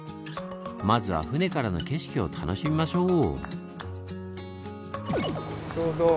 まずは船からの景色を楽しみましょう！